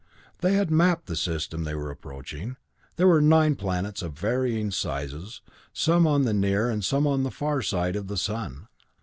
They had mapped the system they were approaching; there were nine planets of varying sizes, some on the near and some on the far side of the sun.